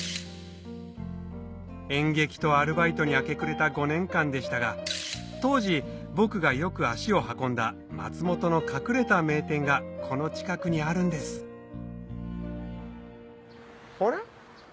演劇とアルバイトに明け暮れた５年間でしたが当時僕がよく足を運んだ松本の隠れた名店がこの近くにあるんですあれ？